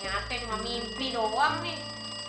nyate mau mimpi doang nih